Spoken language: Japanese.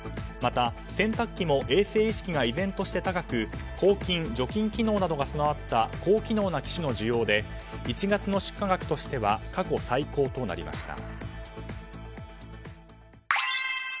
また、洗濯機も衛生意識が依然として高く抗菌・除菌機能などが備わった高機能な機種の需要で１月の出荷額としては過去最高となりました。